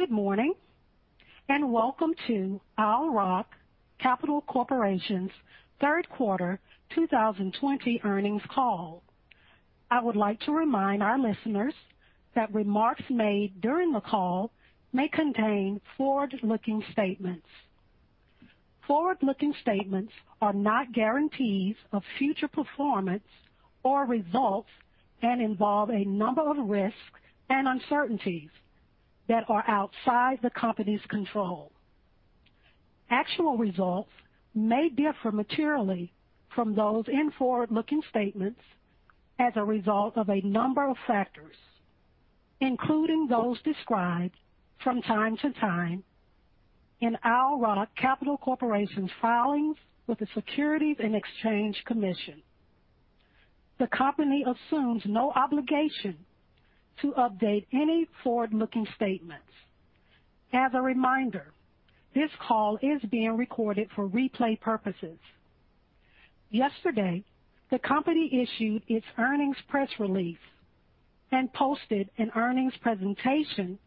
Good morning, and welcome to Owl Rock Capital Corporation's third quarter 2020 earnings call. I would like to remind our listeners that remarks made during the call may contain forward-looking statements. Forward-looking statements are not guarantees of future performance or results and involve a number of risks and uncertainties that are outside the company's control. Actual results may differ materially from those in forward-looking statements as a result of a number of factors, including those described from time to time in Owl Rock Capital Corporation's filings with the Securities and Exchange Commission. The company assumes no obligation to update any forward-looking statements. As a reminder, this call is being recorded for replay purposes. Yesterday, the company issued its earnings press release and posted an earnings presentation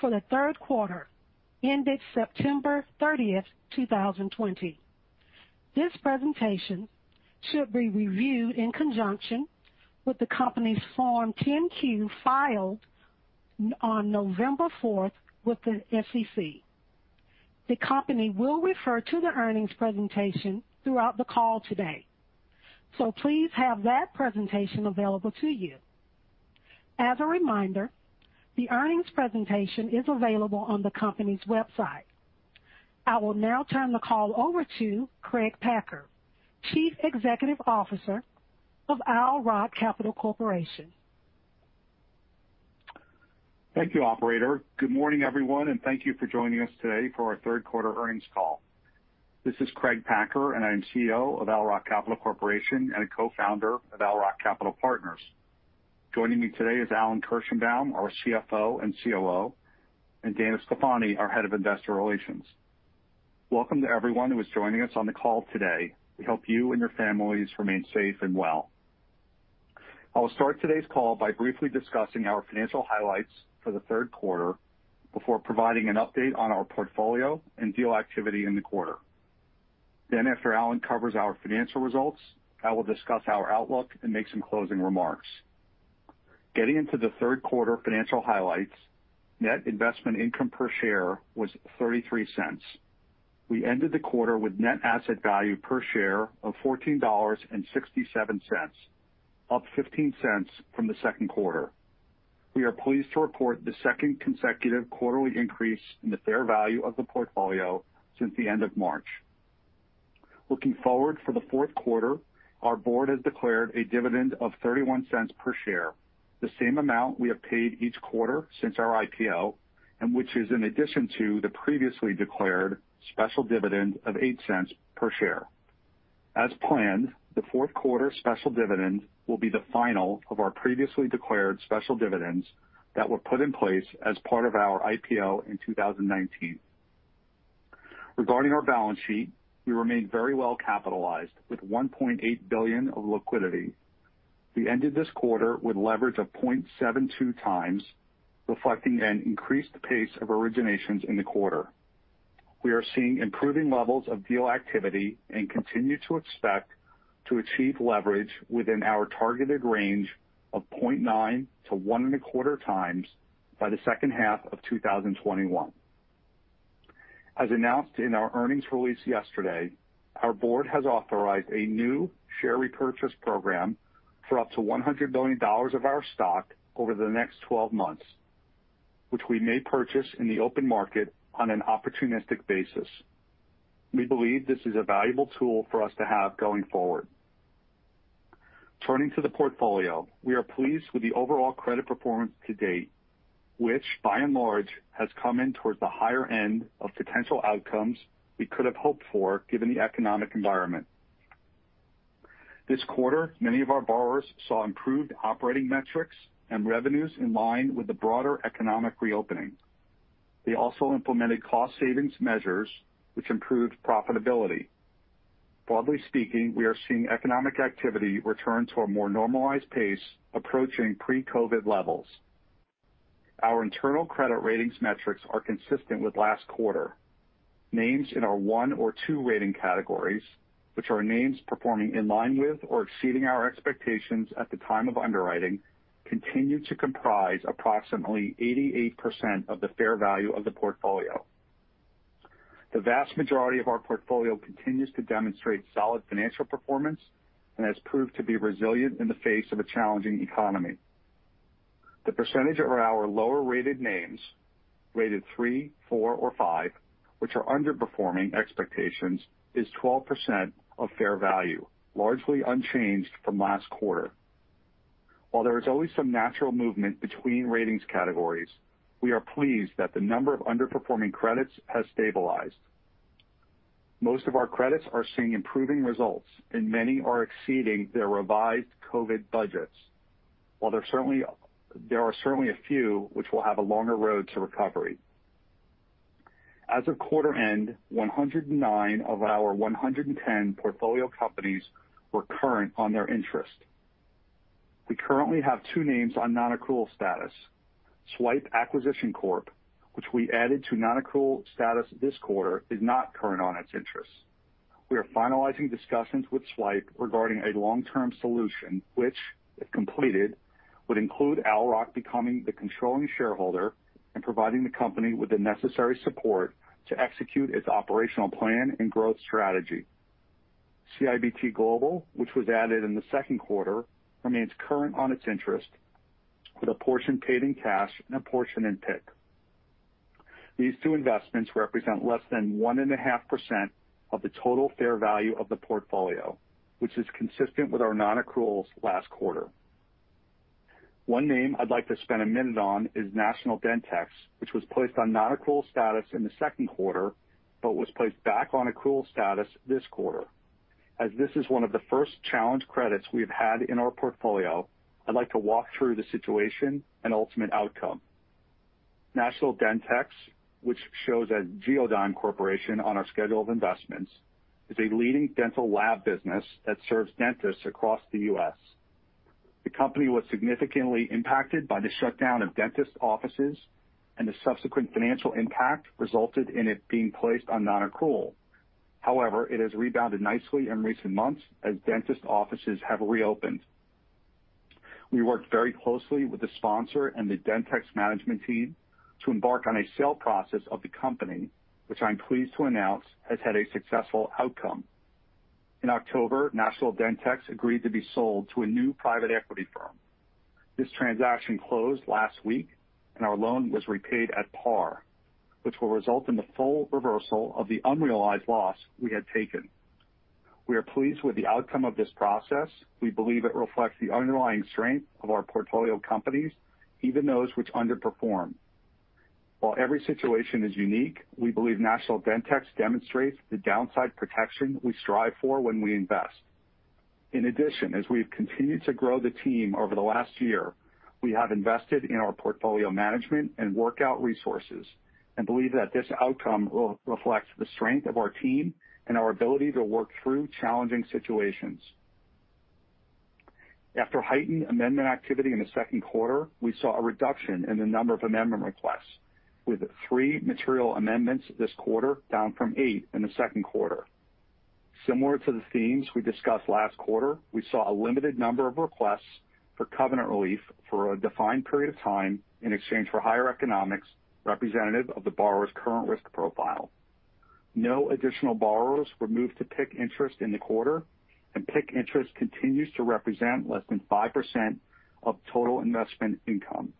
for the third quarter ended September 30, 2020. This presentation should be reviewed in conjunction with the company's Form 10-Q filed on November fourth with the SEC. The company will refer to the earnings presentation throughout the call today, so please have that presentation available to you. As a reminder, the earnings presentation is available on the company's website. I will now turn the call over to Craig Packer, Chief Executive Officer of Owl Rock Capital Corporation. Thank you, operator. Good morning, everyone, and thank you for joining us today for our third quarter earnings call. This is Craig Packer, and I'm CEO of Owl Rock Capital Corporation and a co-founder of Owl Rock Capital Partners. Joining me today is Alan Kirshenbaum, our CFO and COO, and Dana Sclafani, our Head of Investor Relations. Welcome to everyone who is joining us on the call today. We hope you and your families remain safe and well. I'll start today's call by briefly discussing our financial highlights for the third quarter before providing an update on our portfolio and deal activity in the quarter. Then, after Alan covers our financial results, I will discuss our outlook and make some closing remarks. Getting into the third quarter financial highlights, net investment income per share was $0.33. We ended the quarter with net asset value per share of $14.67, up $0.15 from the second quarter. We are pleased to report the second consecutive quarterly increase in the fair value of the portfolio since the end of March. Looking forward for the fourth quarter, our board has declared a dividend of $0.31 per share, the same amount we have paid each quarter since our IPO, and which is in addition to the previously declared special dividend of $0.08 per share. As planned, the fourth quarter special dividend will be the final of our previously declared special dividends that were put in place as part of our IPO in 2019. Regarding our balance sheet, we remain very well capitalized, with $1.8 billion of liquidity. We ended this quarter with leverage of 0.72x, reflecting an increased pace of originations in the quarter. We are seeing improving levels of deal activity and continue to expect to achieve leverage within our targeted range of 0.9x-1.25x by the second half of 2021. As announced in our earnings release yesterday, our board has authorized a new share repurchase program for up to $100 million of our stock over the next 12 months, which we may purchase in the open market on an opportunistic basis. We believe this is a valuable tool for us to have going forward. Turning to the portfolio, we are pleased with the overall credit performance to date, which, by and large, has come in towards the higher end of potential outcomes we could have hoped for, given the economic environment. This quarter, many of our borrowers saw improved operating metrics and revenues in line with the broader economic reopening. They also implemented cost savings measures, which improved profitability. Broadly speaking, we are seeing economic activity return to a more normalized pace, approaching pre-COVID levels. Our internal credit ratings metrics are consistent with last quarter. Names in our one or two rating categories, which are names performing in line with or exceeding our expectations at the time of underwriting, continue to comprise approximately 88% of the fair value of the portfolio. The vast majority of our portfolio continues to demonstrate solid financial performance and has proved to be resilient in the face of a challenging economy. The percentage of our lower-rated names, rated three, four, or five, which are underperforming expectations, is 12% of fair value, largely unchanged from last quarter. While there is always some natural movement between ratings categories, we are pleased that the number of underperforming credits has stabilized. Most of our credits are seeing improving results, and many are exceeding their revised COVID budgets. While there are certainly a few which will have a longer road to recovery. As of quarter end, 109 of our 110 portfolio companies were current on their interest. We currently have two names on non-accrual status. Swipe Acquisition Corp, which we added to non-accrual status this quarter, is not current on its interest. We are finalizing discussions with Swipe regarding a long-term solution, which, if completed, would include Owl Rock becoming the controlling shareholder and providing the company with the necessary support to execute its operational plan and growth strategy. CIBT Global, which was added in the second quarter, remains current on its interest, with a portion paid in cash and a portion in PIK. These two investments represent less than 1.5% of the total fair value of the portfolio, which is consistent with our non-accruals last quarter. One name I'd like to spend a minute on is National Dentex, which was placed on non-accrual status in the second quarter, but was placed back on accrual status this quarter. As this is one of the first challenged credits we have had in our portfolio, I'd like to walk through the situation and ultimate outcome. National Dentex, which shows as GeoDigm Corporation on our schedule of investments, is a leading dental lab business that serves dentists across the U.S. The company was significantly impacted by the shutdown of dentist offices, and the subsequent financial impact resulted in it being placed on non-accrual. However, it has rebounded nicely in recent months as dentist offices have reopened. We worked very closely with the sponsor and the Dentex management team to embark on a sale process of the company, which I'm pleased to announce, has had a successful outcome. In October, National Dentex agreed to be sold to a new private equity firm. This transaction closed last week, and our loan was repaid at par, which will result in the full reversal of the unrealized loss we had taken. We are pleased with the outcome of this process. We believe it reflects the underlying strength of our portfolio companies, even those which underperform. While every situation is unique, we believe National Dentex demonstrates the downside protection we strive for when we invest. In addition, as we've continued to grow the team over the last year, we have invested in our portfolio management and workout resources and believe that this outcome will reflect the strength of our team and our ability to work through challenging situations. After heightened amendment activity in the second quarter, we saw a reduction in the number of amendment requests, with three material amendments this quarter, down from eight in the second quarter. Similar to the themes we discussed last quarter, we saw a limited number of requests for covenant relief for a defined period of time in exchange for higher economics, representative of the borrower's current risk profile. No additional borrowers were moved to PIK interest in the quarter, and PIK interest continues to represent less than 5% of total investment income.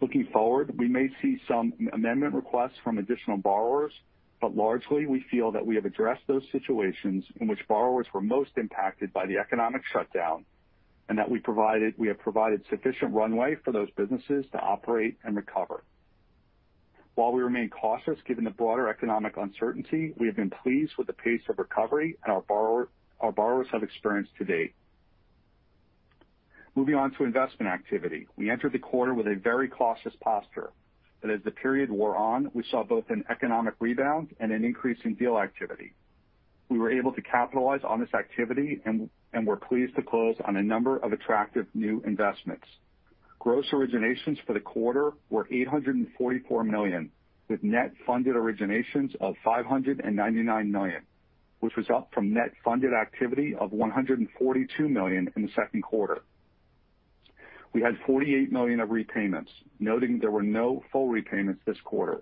Looking forward, we may see some amendment requests from additional borrowers, but largely, we feel that we have addressed those situations in which borrowers were most impacted by the economic shutdown, and that we provided, we have provided sufficient runway for those businesses to operate and recover. While we remain cautious given the broader economic uncertainty, we have been pleased with the pace of recovery and our borrower, our borrowers have experienced to date. Moving on to investment activity. We entered the quarter with a very cautious posture, but as the period wore on, we saw both an economic rebound and an increase in deal activity. We were able to capitalize on this activity and, and we're pleased to close on a number of attractive new investments. Gross originations for the quarter were $844 million, with net funded originations of $599 million, which was up from net funded activity of $142 million in the second quarter. We had $48 million of repayments, noting there were no full repayments this quarter.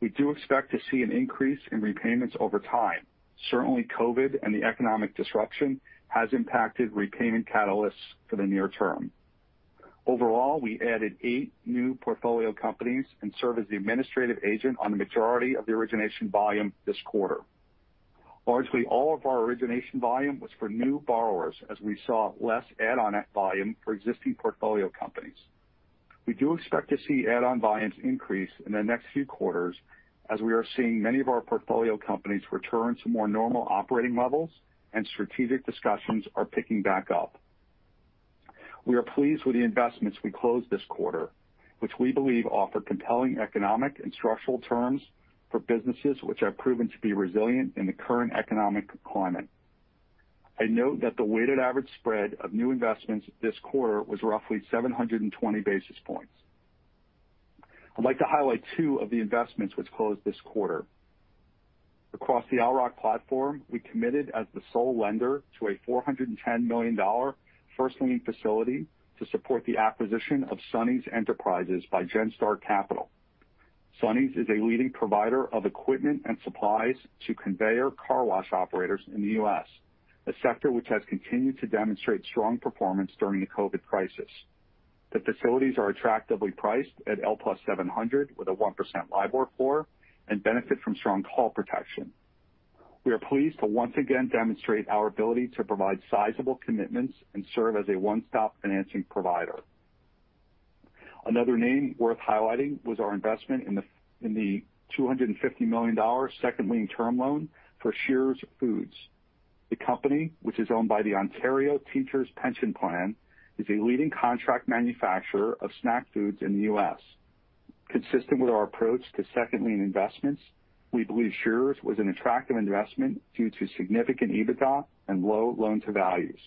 We do expect to see an increase in repayments over time. Certainly, COVID and the economic disruption has impacted repayment catalysts for the near term. Overall, we added eight new portfolio companies and serve as the administrative agent on the majority of the origination volume this quarter. Largely, all of our origination volume was for new borrowers as we saw less add-on volume for existing portfolio companies. We do expect to see add-on volumes increase in the next few quarters as we are seeing many of our portfolio companies return to more normal operating levels and strategic discussions are picking back up. We are pleased with the investments we closed this quarter, which we believe offer compelling economic and structural terms for businesses which have proven to be resilient in the current economic climate. I note that the weighted average spread of new investments this quarter was roughly 720 basis points. I'd like to highlight two of the investments which closed this quarter. Across the Owl Rock platform, we committed as the sole lender to a $410 million first lien facility to support the acquisition of Sonny's Enterprises by Genstar Capital. Sonny's is a leading provider of equipment and supplies to conveyor car wash operators in the U.S., a sector which has continued to demonstrate strong performance during the COVID crisis. The facilities are attractively priced at L + 700, with a 1% LIBOR floor and benefit from strong call protection. We are pleased to once again demonstrate our ability to provide sizable commitments and serve as a one-stop financing provider. Another name worth highlighting was our investment in the $250 million second lien term loan for Shearer's Foods.... The company, which is owned by the Ontario Teachers' Pension Plan, is a leading contract manufacturer of snack foods in the U.S.. Consistent with our approach to second lien investments, we believe Shearer's was an attractive investment due to significant EBITDA and low loan-to-values.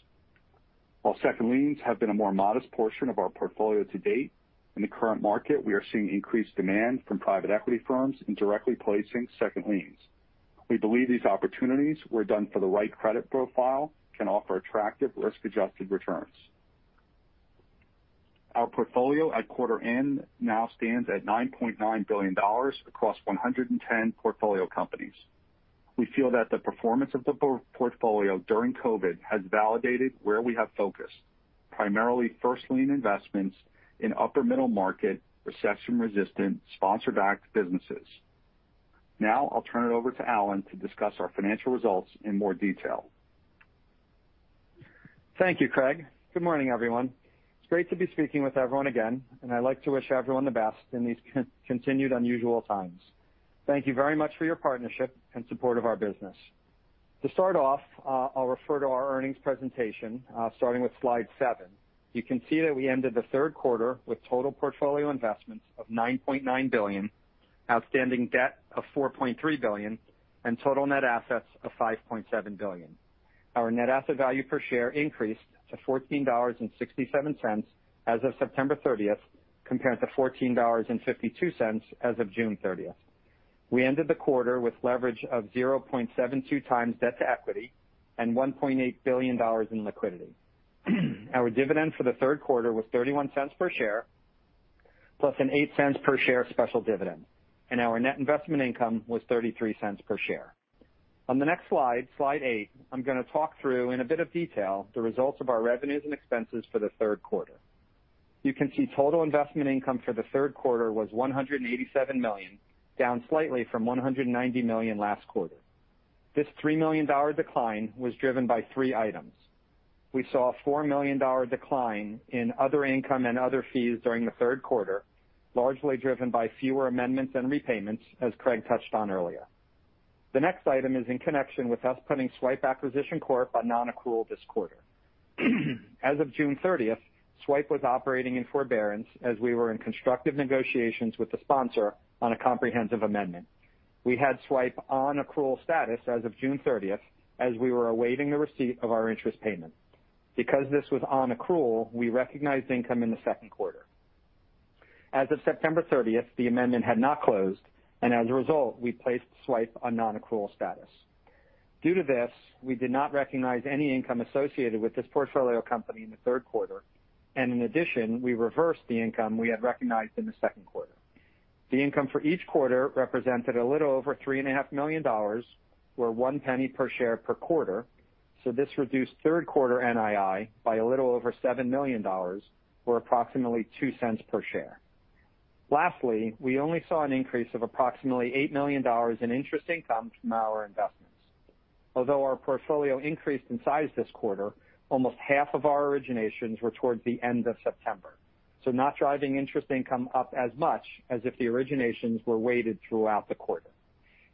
While second liens have been a more modest portion of our portfolio to date, in the current market, we are seeing increased demand from private equity firms in directly placing second liens. We believe these opportunities were done for the right credit profile can offer attractive risk-adjusted returns. Our portfolio at quarter end now stands at $9.9 billion across 110 portfolio companies. We feel that the performance of the portfolio during COVID has validated where we have focused, primarily first lien investments in upper middle market, recession-resistant, sponsor-backed businesses. Now I'll turn it over to Alan to discuss our financial results in more detail. Thank you, Craig. Good morning, everyone. It's great to be speaking with everyone again, and I'd like to wish everyone the best in these continued unusual times. Thank you very much for your partnership and support of our business. To start off, I'll refer to our earnings presentation, starting with slide seven. You can see that we ended the third quarter with total portfolio investments of $9.9 billion, outstanding debt of $4.3 billion, and total net assets of $5.7 billion. Our net asset value per share increased to $14.67 as of September thirtieth, compared to $14.52 as of June thirtieth. We ended the quarter with leverage of 0.72 times debt to equity and $1.8 billion in liquidity. Our dividend for the third quarter was $0.31 per share, plus an $0.08 per share special dividend, and our net investment income was $0.33 per share. On the next slide, slide 8, I'm gonna talk through, in a bit of detail, the results of our revenues and expenses for the third quarter. You can see total investment income for the third quarter was $187 million, down slightly from $190 million last quarter. This $3 million decline was driven by three items. We saw a $4 million decline in other income and other fees during the third quarter, largely driven by fewer amendments and repayments, as Craig touched on earlier. The next item is in connection with us putting Swipe Acquisition Corp on non-accrual this quarter. As of June 30, Swipe was operating in forbearance as we were in constructive negotiations with the sponsor on a comprehensive amendment. We had Swipe on accrual status as of June 30, as we were awaiting the receipt of our interest payment. Because this was on accrual, we recognized income in the second quarter. As of September 30, the amendment had not closed, and as a result, we placed Swipe on non-accrual status. Due to this, we did not recognize any income associated with this portfolio company in the third quarter, and in addition, we reversed the income we had recognized in the second quarter. The income for each quarter represented a little over $3.5 million, or $0.01 per share per quarter, so this reduced third quarter NII by a little over $7 million, or approximately $0.02 per share. Lastly, we only saw an increase of approximately $8 million in interest income from our investments. Although our portfolio increased in size this quarter, almost half of our originations were towards the end of September, so not driving interest income up as much as if the originations were weighted throughout the quarter.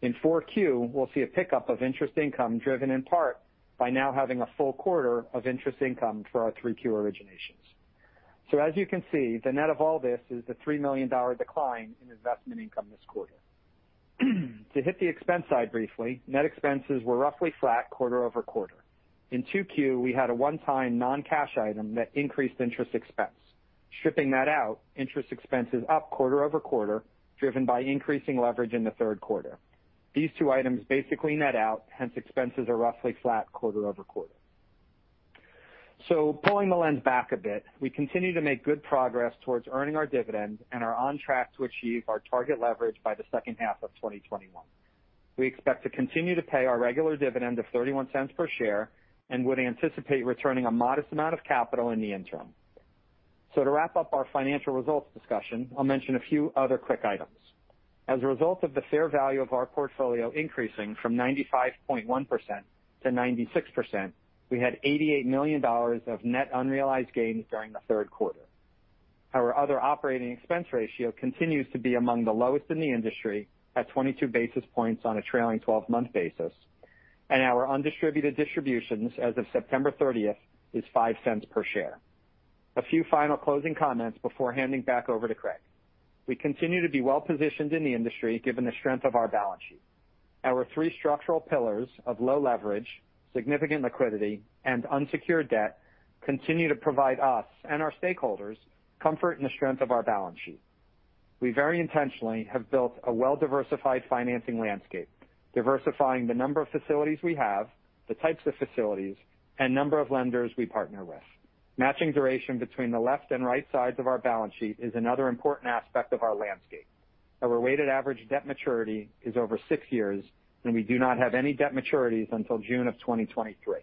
In 4Q, we'll see a pickup of interest income driven in part by now having a full quarter of interest income for our 3Q originations. So as you can see, the net of all this is the $3 million decline in investment income this quarter. To hit the expense side briefly, net expenses were roughly flat quarter-over-quarter. In 2Q, we had a one-time non-cash item that increased interest expense. Stripping that out, interest expense is up quarter-over-quarter, driven by increasing leverage in the third quarter. These two items basically net out, hence, expenses are roughly flat quarter-over-quarter. So pulling the lens back a bit, we continue to make good progress towards earning our dividend and are on track to achieve our target leverage by the second half of 2021. We expect to continue to pay our regular dividend of $0.31 per share and would anticipate returning a modest amount of capital in the interim. So to wrap up our financial results discussion, I'll mention a few other quick items. As a result of the fair value of our portfolio increasing from 95.1% to 96%, we had $88 million of net unrealized gains during the third quarter. Our other operating expense ratio continues to be among the lowest in the industry at 22 basis points on a trailing 12-month basis, and our undistributed distributions as of September 30th is $0.05 per share. A few final closing comments before handing back over to Craig. We continue to be well-positioned in the industry, given the strength of our balance sheet. Our three structural pillars of low leverage, significant liquidity, and unsecured debt continue to provide us and our stakeholders comfort in the strength of our balance sheet. We very intentionally have built a well-diversified financing landscape, diversifying the number of facilities we have, the types of facilities, and number of lenders we partner with. Matching duration between the left and right sides of our balance sheet is another important aspect of our landscape. Our weighted average debt maturity is over six years, and we do not have any debt maturities until June of 2023.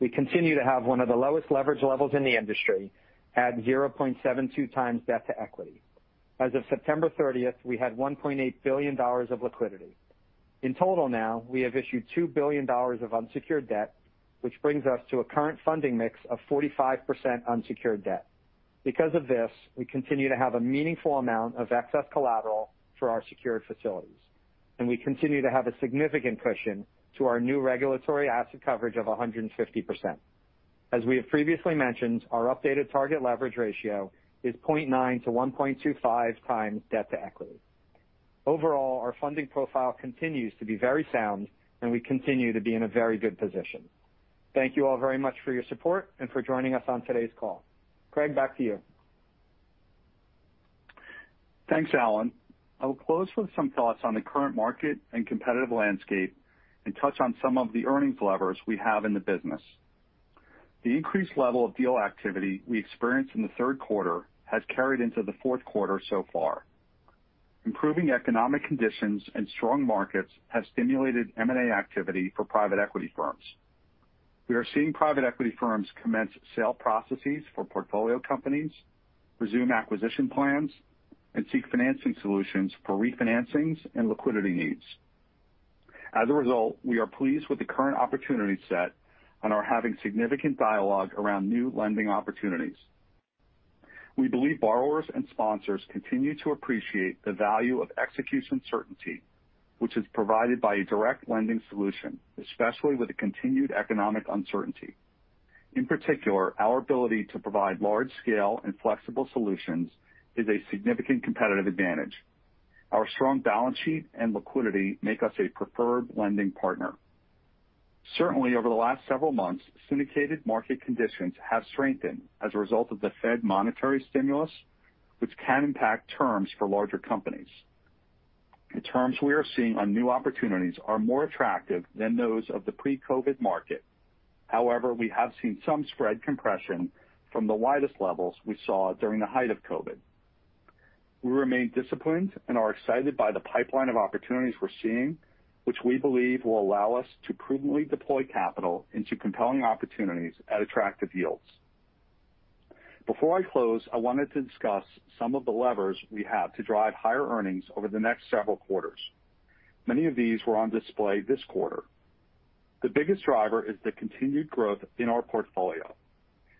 We continue to have one of the lowest leverage levels in the industry at 0.72x debt to equity. As of September 30th, we had $1.8 billion of liquidity. In total now, we have issued $2 billion of unsecured debt, which brings us to a current funding mix of 45% unsecured debt.... Because of this, we continue to have a meaningful amount of excess collateral for our secured facilities, and we continue to have a significant cushion to our new regulatory asset coverage of 150%. As we have previously mentioned, our updated target leverage ratio is 0.9x-1.25x debt to equity. Overall, our funding profile continues to be very sound, and we continue to be in a very good position. Thank you all very much for your support and for joining us on today's call. Craig, back to you. Thanks, Alan. I will close with some thoughts on the current market and competitive landscape and touch on some of the earnings levers we have in the business. The increased level of deal activity we experienced in the third quarter has carried into the fourth quarter so far. Improving economic conditions and strong markets have stimulated M&A activity for private equity firms. We are seeing private equity firms commence sale processes for portfolio companies, resume acquisition plans, and seek financing solutions for refinancings and liquidity needs. As a result, we are pleased with the current opportunity set and are having significant dialogue around new lending opportunities. We believe borrowers and sponsors continue to appreciate the value of execution certainty, which is provided by a direct lending solution, especially with the continued economic uncertainty. In particular, our ability to provide large scale and flexible solutions is a significant competitive advantage. Our strong balance sheet and liquidity make us a preferred lending partner. Certainly, over the last several months, syndicated market conditions have strengthened as a result of the Fed monetary stimulus, which can impact terms for larger companies. The terms we are seeing on new opportunities are more attractive than those of the pre-COVID market. However, we have seen some spread compression from the widest levels we saw during the height of COVID. We remain disciplined and are excited by the pipeline of opportunities we're seeing, which we believe will allow us to prudently deploy capital into compelling opportunities at attractive yields. Before I close, I wanted to discuss some of the levers we have to drive higher earnings over the next several quarters. Many of these were on display this quarter. The biggest driver is the continued growth in our portfolio.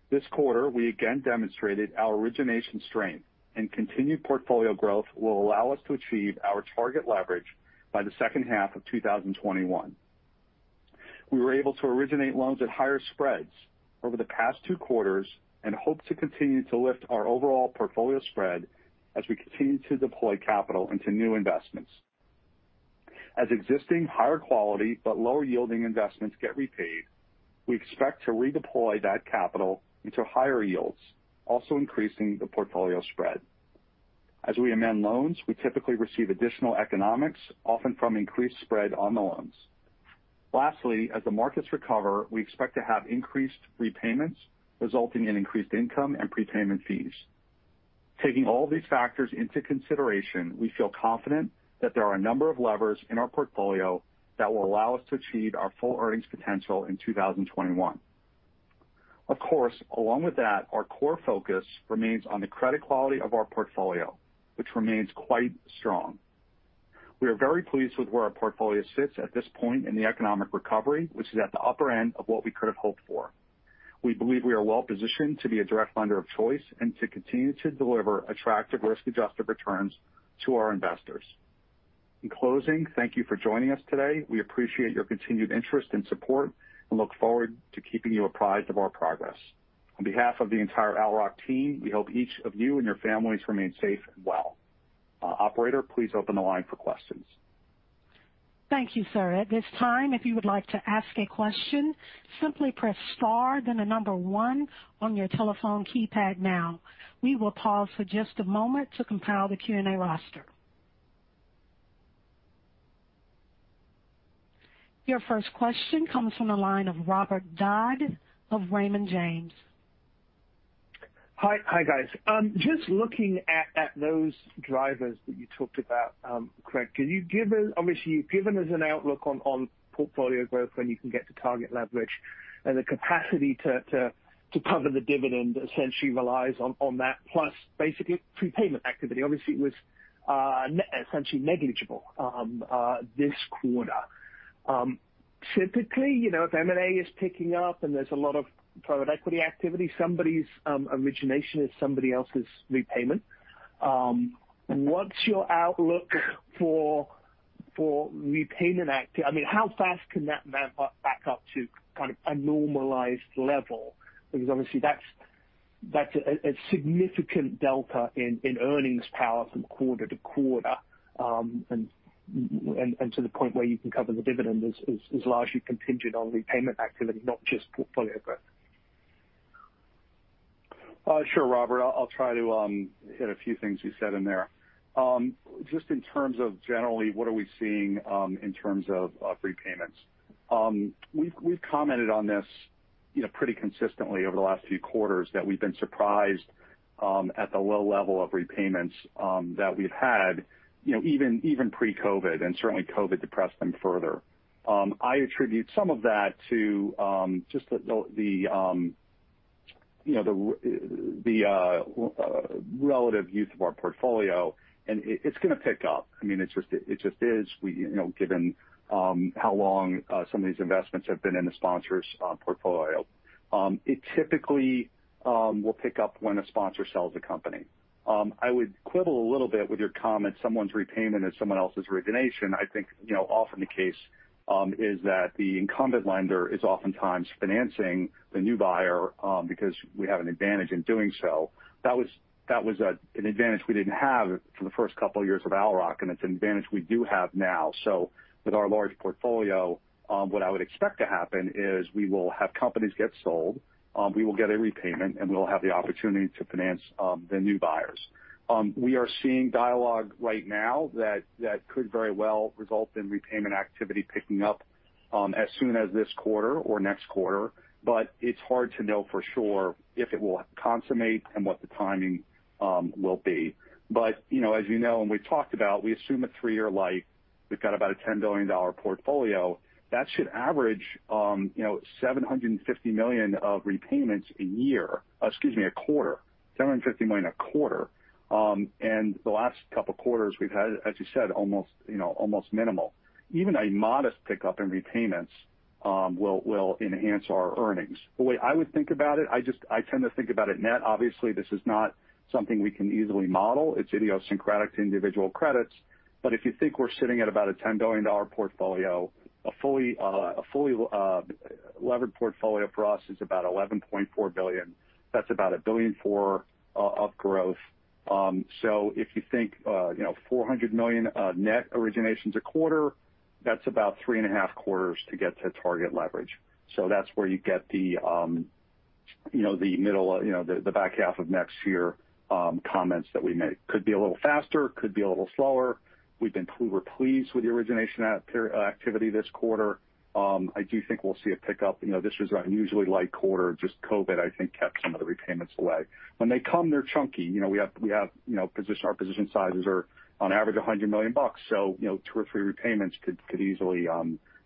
This quarter, we again demonstrated our origination strength, and continued portfolio growth will allow us to achieve our target leverage by the second half of 2021. We were able to originate loans at higher spreads over the past two quarters and hope to continue to lift our overall portfolio spread as we continue to deploy capital into new investments. As existing higher quality but lower yielding investments get repaid, we expect to redeploy that capital into higher yields, also increasing the portfolio spread. As we amend loans, we typically receive additional economics, often from increased spread on the loans. Lastly, as the markets recover, we expect to have increased repayments, resulting in increased income and prepayment fees. Taking all these factors into consideration, we feel confident that there are a number of levers in our portfolio that will allow us to achieve our full earnings potential in 2021. Of course, along with that, our core focus remains on the credit quality of our portfolio, which remains quite strong. We are very pleased with where our portfolio sits at this point in the economic recovery, which is at the upper end of what we could have hoped for. We believe we are well positioned to be a direct lender of choice and to continue to deliver attractive, risk-adjusted returns to our investors. In closing, thank you for joining us today. We appreciate your continued interest and support and look forward to keeping you apprised of our progress. On behalf of the entire Owl Rock team, we hope each of you and your families remain safe and well. Operator, please open the line for questions. Thank you, sir. At this time, if you would like to ask a question, simply press star, then the number one on your telephone keypad now. We will pause for just a moment to compile the Q&A roster. Your first question comes from the line of Robert Dodd of Raymond James. Hi. Hi, guys. Just looking at those drivers that you talked about, Craig, can you give us, obviously, you've given us an outlook on portfolio growth when you can get to target leverage and the capacity to cover the dividend essentially relies on that, plus basically prepayment activity. Obviously, it was essentially negligible this quarter. Typically, you know, if M&A is picking up and there's a lot of private equity activity, somebody's origination is somebody else's repayment. What's your outlook for repayment? I mean, how fast can that back up to kind of a normalized level? Because obviously, that's a significant delta in earnings power from quarter to quarter. And to the point where you can cover the dividend is largely contingent on repayment activity, not just portfolio growth. Sure, Robert, I'll try to hit a few things you said in there. Just in terms of generally what are we seeing in terms of repayments? We've commented on this, you know, pretty consistently over the last few quarters that we've been surprised at the low level of repayments that we've had, you know, even pre-COVID, and certainly COVID depressed them further. I attribute some of that to just the, you know, the relative youth of our portfolio, and it's gonna pick up. I mean, it just is, you know, given how long some of these investments have been in the sponsors' portfolio. It typically will pick up when a sponsor sells a company. I would quibble a little bit with your comment, someone's repayment is someone else's origination. I think, you know, often the case is that the incumbent lender is oftentimes financing the new buyer, because we have an advantage in doing so. That was, that was a, an advantage we didn't have for the first couple of years of Owl Rock, and it's an advantage we do have now. So with our large portfolio, what I would expect to happen is we will have companies get sold, we will get a repayment, and we will have the opportunity to finance the new buyers. We are seeing dialogue right now that, that could very well result in repayment activity picking up, as soon as this quarter or next quarter. It's hard to know for sure if it will consummate and what the timing will be. But, you know, as you know, and we've talked about, we assume a three-year life. We've got about a $10 billion portfolio. That should average, you know, $750 million of repayments a year, excuse me, a quarter. $750 million a quarter. And the last couple of quarters we've had, as you said, almost, you know, almost minimal. Even a modest pickup in repayments will enhance our earnings. The way I would think about it, I just, I tend to think about it net. Obviously, this is not something we can easily model. It's idiosyncratic to individual credits. But if you think we're sitting at about a $10 billion portfolio, a fully levered portfolio for us is about $11.4 billion. That's about a $1.4 billion of growth. So if you think, you know, $400 million net originations a quarter, that's about three and a half quarters to get to target leverage. So that's where you get the, you know, the middle, you know, the, the back half of next year comments that we made. Could be a little faster, could be a little slower. We've been pretty pleased with the origination activity this quarter. I do think we'll see a pickup. You know, this was an unusually light quarter. Just COVID, I think, kept some of the repayments away. When they come, they're chunky. You know, we have, you know, position—our position sizes are on average $100 million. So, you know, two or three repayments could easily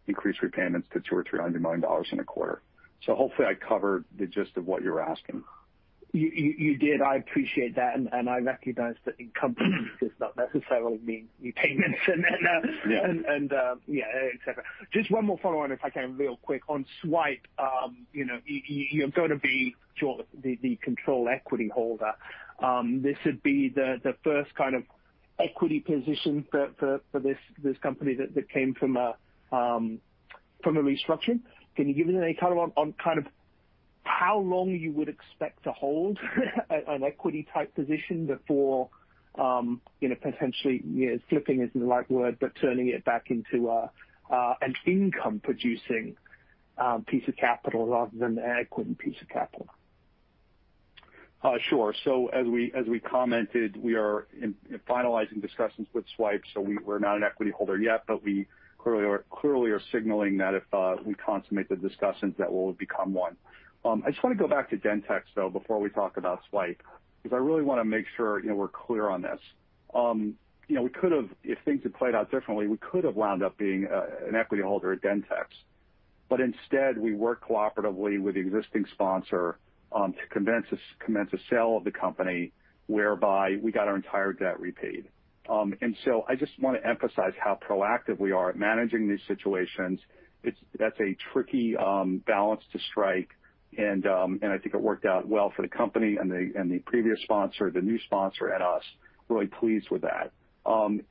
increase repayments to $200 million-$300 million in a quarter. So hopefully, I covered the gist of what you're asking. You did. I appreciate that, and I recognize that income does not necessarily mean repayments. And, yeah, et cetera. Just one more follow-on, if I can, real quick. On Swipe, you know, you're going to be the control equity holder. This would be the first kind of equity position for this company that came from a restructuring. Can you give me any color on kind of how long you would expect to hold an equity-type position before, you know, potentially, flipping isn't the right word, but turning it back into an income-producing piece of capital rather than an equity piece of capital? Sure. So as we commented, we are in finalizing discussions with Swipe. So we're not an equity holder yet, but we clearly are, clearly are signaling that if we consummate the discussions, that we'll become one. I just want to go back to Dentex, though, before we talk about Swipe, because I really want to make sure, you know, we're clear on this. You know, we could have -- if things had played out differently, we could have wound up being an equity holder at Dentex. But instead, we worked cooperatively with the existing sponsor to commence a sale of the company, whereby we got our entire debt repaid. And so I just want to emphasize how proactive we are at managing these situations. That's a tricky balance to strike, and I think it worked out well for the company and the previous sponsor, the new sponsor, and us. Really pleased with that.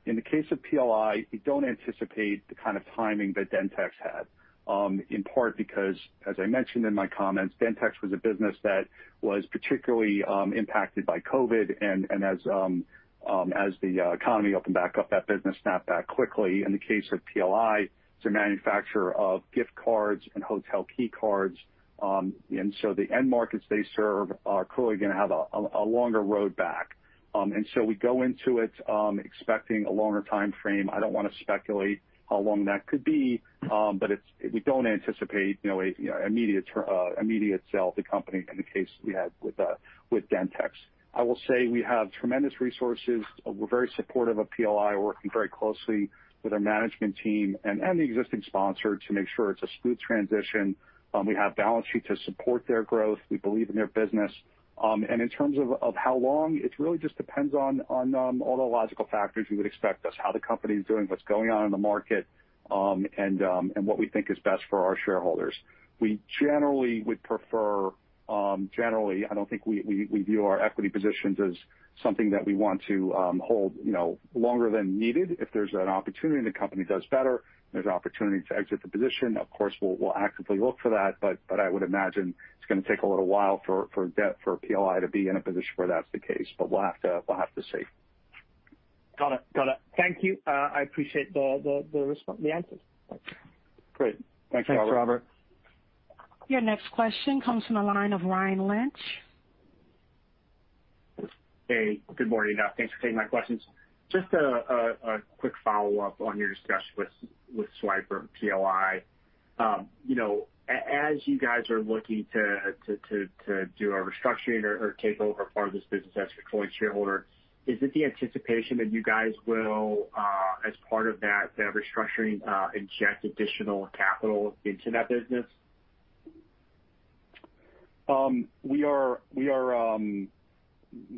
In the case of PLI, we don't anticipate the kind of timing that Dentex had, in part because, as I mentioned in my comments, Dentex was a business that was particularly impacted by COVID, and as the economy opened back up, that business snapped back quickly. In the case of PLI, it's a manufacturer of gift cards and hotel key cards, and so the end markets they serve are clearly going to have a longer road back. And so we go into it, expecting a longer time frame. I don't want to speculate how long that could be, but it's—we don't anticipate, you know, an immediate sale of the company in the case we had with Dentex. I will say we have tremendous resources. We're very supportive of PLI. We're working very closely with our management team and the existing sponsor to make sure it's a smooth transition. We have balance sheet to support their growth. We believe in their business. And in terms of how long, it really just depends on all the logical factors you would expect as how the company is doing, what's going on in the market, and what we think is best for our shareholders. We generally would prefer, generally, I don't think we view our equity positions as something that we want to hold, you know, longer than needed. If there's an opportunity and the company does better, and there's an opportunity to exit the position, of course, we'll actively look for that. But I would imagine it's going to take a little while for debt for PLI to be in a position where that's the case, but we'll have to see. Got it. Got it. Thank you. I appreciate the answer. Great. Thanks, Robert. Thanks, Robert. Your next question comes from the line of Ryan Lynch. Hey, good morning. Thanks for taking my questions. Just a quick follow-up on your discussion with Swipe or PLI. You know, as you guys are looking to do a restructuring or take over part of this business as the current shareholder, is it the anticipation that you guys will, as part of that restructuring, inject additional capital into that business?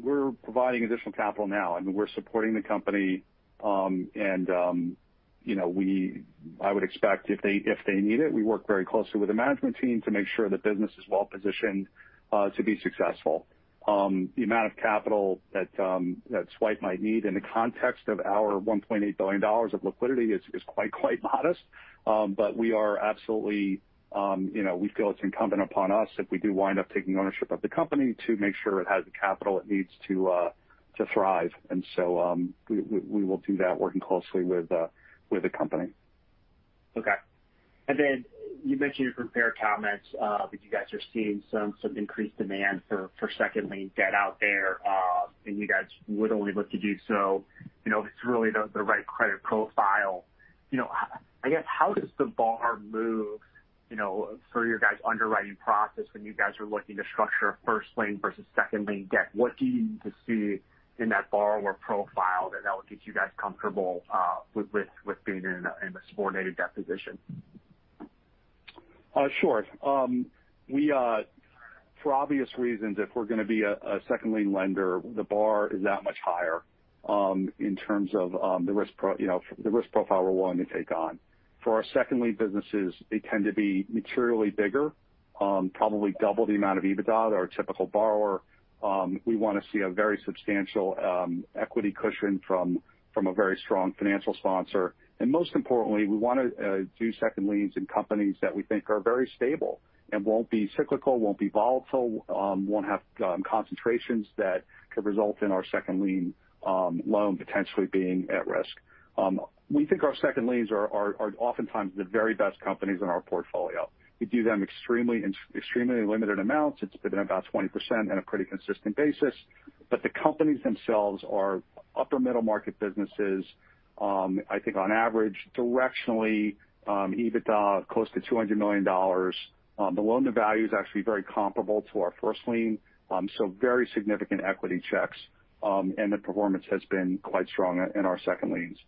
We're providing additional capital now, and we're supporting the company. And, you know, I would expect if they need it, we work very closely with the management team to make sure the business is well positioned to be successful. The amount of capital that Swipe might need in the context of our $1.8 billion of liquidity is quite modest. But we are absolutely, you know, we feel it's incumbent upon us if we do wind up taking ownership of the company to make sure it has the capital it needs to thrive. And so, we will do that working closely with the company. Okay. And then you mentioned in your prepared comments that you guys are seeing some increased demand for second lien debt out there, and you guys would only look to do so, you know, if it's really the right credit profile. You know, I guess, how does the bar move, you know, for your guys' underwriting process when you guys are looking to structure a first lien versus second lien debt? What do you need to see in that borrower profile that would get you guys comfortable with being in a subordinated debt position? Sure. We, for obvious reasons, if we're gonna be a second lien lender, the bar is that much higher, in terms of, you know, the risk profile we're willing to take on. For our second lien businesses, they tend to be materially bigger, probably double the amount of EBITDA than our typical borrower. We wanna see a very substantial equity cushion from a very strong financial sponsor. And most importantly, we wanna do second liens in companies that we think are very stable and won't be cyclical, won't be volatile, won't have concentrations that could result in our second lien loan potentially being at risk. We think our second liens are oftentimes the very best companies in our portfolio. We do them extremely limited amounts. It's been about 20% on a pretty consistent basis. But the companies themselves are upper middle market businesses. I think on average, directionally, EBITDA close to $200 million. The loan-to-value is actually very comparable to our first lien, so very significant equity checks, and the performance has been quite strong in our second liens.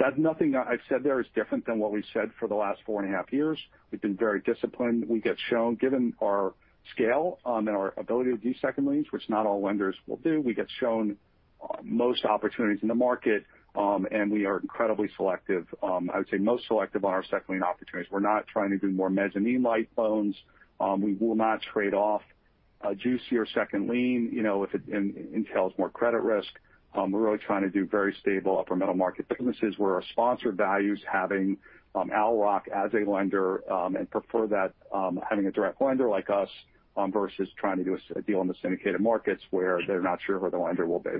That nothing that I've said there is different than what we've said for the last four and a half years. We've been very disciplined. We get shown, given our scale, and our ability to do second liens, which not all lenders will do, we get shown most opportunities in the market, and we are incredibly selective, I would say most selective on our second lien opportunities. We're not trying to do more mezzanine-like loans. We will not trade off a juicier second lien, you know, if it entails more credit risk. We're really trying to do very stable upper middle market businesses, where our sponsor values having Owl Rock as a lender, and prefer that, having a direct lender like us, versus trying to do a deal in the syndicated markets where they're not sure who the lender will be.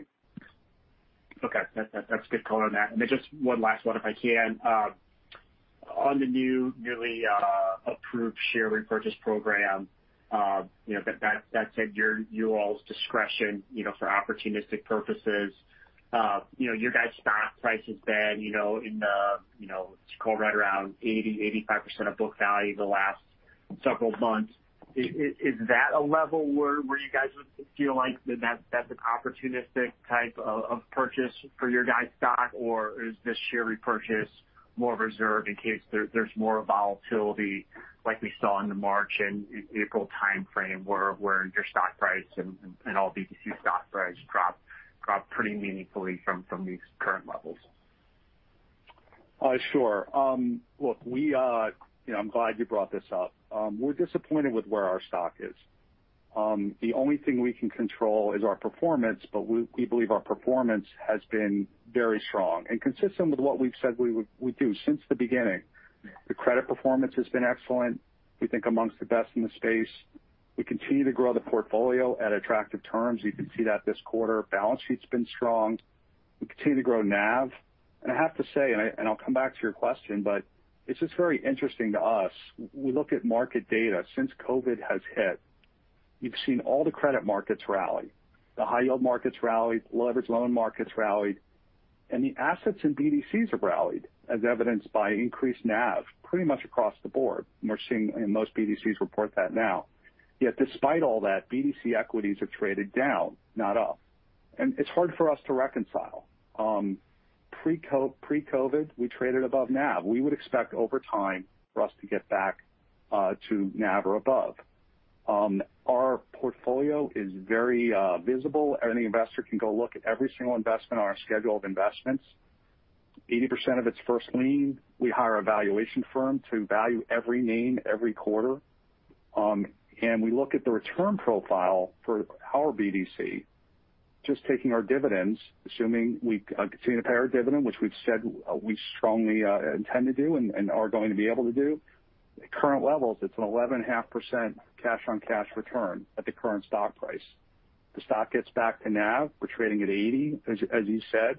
Okay. That's good color on that. And then just one last one, if I can. On the newly approved share repurchase program, you know, that's at your, you all's discretion, you know, for opportunistic purposes. You know, your guys' stock price has been, you know, in the, you know, call it right around 80%-85% of book value the last several months. Is that a level where you guys would feel like that's an opportunistic type of purchase for your guys' stock? Or is this share repurchase more reserved in case there's more volatility like we saw in the March and April timeframe, where your stock price and all BDC stock prices dropped pretty meaningfully from these current levels? Sure. Look, we, you know, I'm glad you brought this up. We're disappointed with where our stock is. The only thing we can control is our performance, but we, we believe our performance has been very strong and consistent with what we've said we would-- we'd do since the beginning. The credit performance has been excellent, we think amongst the best in the space. We continue to grow the portfolio at attractive terms. You can see that this quarter, balance sheet's been strong. We continue to grow NAV. And I have to say, and I, and I'll come back to your question, but it's just very interesting to us. We look at market data since COVID has hit, you've seen all the credit markets rally, the high yield markets rallied, leverage loan markets rallied, and the assets in BDCs have rallied, as evidenced by increased NAV, pretty much across the board. And we're seeing, and most BDCs report that now. Yet despite all that, BDC equities are traded down, not up, and it's hard for us to reconcile. Pre-COVID, we traded above NAV. We would expect over time for us to get back to NAV or above. Our portfolio is very visible. Any investor can go look at every single investment on our schedule of investments. 80% of it's first lien. We hire a valuation firm to value every name every quarter. And we look at the return profile for our BDC, just taking our dividends, assuming we continue to pay our dividend, which we've said we strongly intend to do and are going to be able to do. At current levels, it's an 11.5% cash-on-cash return at the current stock price. The stock gets back to NAV. We're trading at 80, as you said.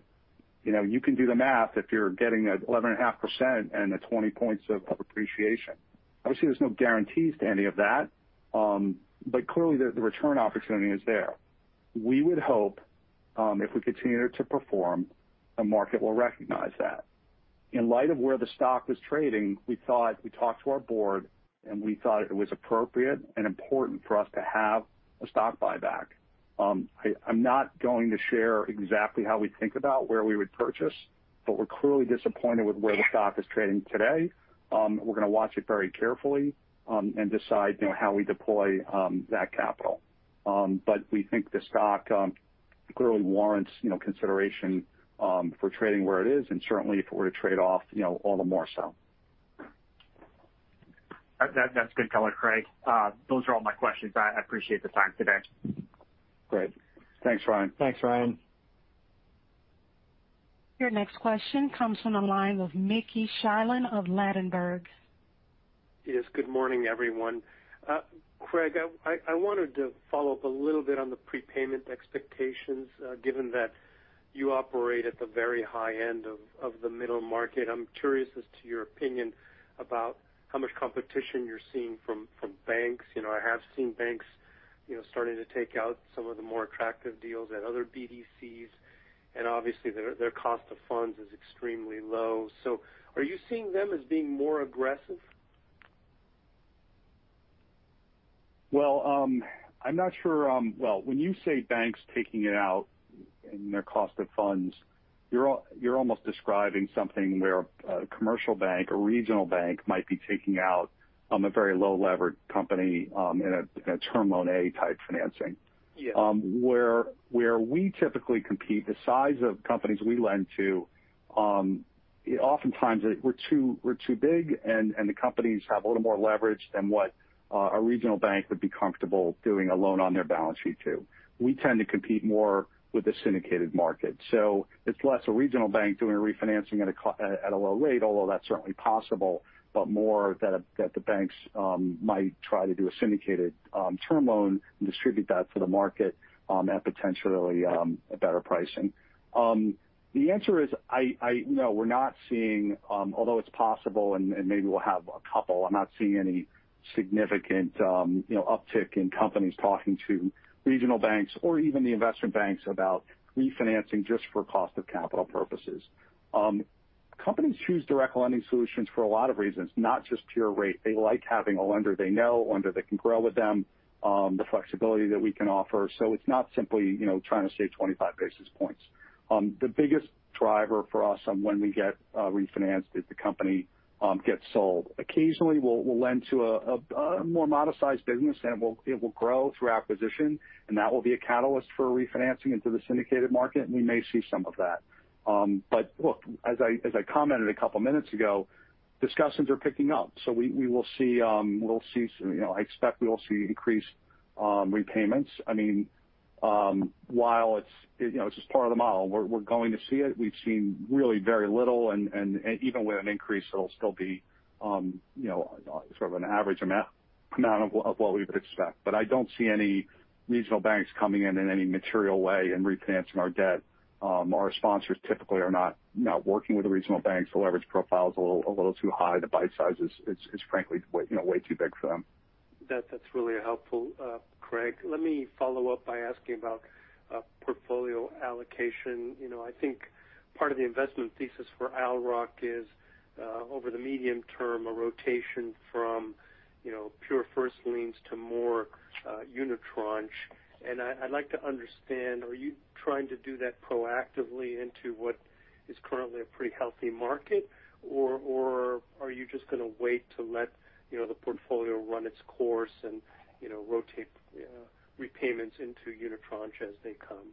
You know, you can do the math if you're getting an 11.5% and a 20 points of appreciation. Obviously, there's no guarantees to any of that, but clearly, the return opportunity is there. We would hope, if we continue to perform, the market will recognize that. In light of where the stock was trading, we thought... We talked to our board, and we thought it was appropriate and important for us to have a stock buyback. I'm not going to share exactly how we think about where we would purchase, but we're clearly disappointed with where the stock is trading today. We're gonna watch it very carefully, and decide, you know, how we deploy that capital. But we think the stock clearly warrants, you know, consideration for trading where it is, and certainly if it were to trade off, you know, all the more so. That, that's good color, Craig. Those are all my questions. I, I appreciate the time today. Great. Thanks, Ryan. Thanks, Ryan. Your next question comes from the line of Mickey Schleien of Ladenburg Thalmann. Yes, good morning, everyone. Craig, I wanted to follow up a little bit on the prepayment expectations. Given that you operate at the very high end of the middle market, I'm curious as to your opinion about how much competition you're seeing from banks. You know, I have seen banks, you know, starting to take out some of the more attractive deals at other BDCs, and obviously their cost of funds is extremely low. So are you seeing them as being more aggressive? Well, I'm not sure. Well, when you say banks taking it out and their cost of funds, you're almost describing something where a commercial bank, a regional bank might be taking out a very low-levered company in a term loan A type financing. Yeah. Where we typically compete, the size of companies we lend to, oftentimes we're too big, and the companies have a little more leverage than what a regional bank would be comfortable doing a loan on their balance sheet to. We tend to compete more with the syndicated market. So it's less a regional bank doing a refinancing at a low rate, although that's certainly possible, but more that the banks might try to do a syndicated term loan and distribute that to the market at potentially a better pricing. The answer is no, we're not seeing, although it's possible, and maybe we'll have a couple, I'm not seeing any significant, you know, uptick in companies talking to regional banks or even the investment banks about refinancing just for cost of capital purposes. Companies choose direct lending solutions for a lot of reasons, not just pure rate. They like having a lender they know, a lender that can grow with them, the flexibility that we can offer. So it's not simply, you know, trying to save 25 basis points. The biggest driver for us on when we get refinanced is the company gets sold. Occasionally, we'll lend to a more modest size business, and it will grow through acquisition, and that will be a catalyst for refinancing into the syndicated market, and we may see some of that. But look, as I commented a couple minutes ago, discussions are picking up, so we will see some. You know, I expect we will see increased repayments. I mean, while it's, you know, it's just part of the model, we're going to see it. We've seen really very little, and even with an increase, it'll still be, you know, sort of an average amount of what we would expect. But I don't see any regional banks coming in in any material way and refinancing our debt. Our sponsors typically are not working with the regional banks. The leverage profile is a little too high. The bite size is frankly way, you know, way too big for them. That, that's really helpful, Craig. Let me follow up by asking about portfolio allocation. You know, I think part of the investment thesis for Owl Rock is over the medium term, a rotation from, you know, pure first liens to more unitranche. And I'd like to understand, are you trying to do that proactively into what is currently a pretty healthy market? Or are you just gonna wait to let, you know, the portfolio run its course and, you know, rotate repayments into unitranche as they come?